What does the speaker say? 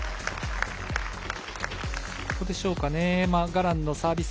ガランのサービス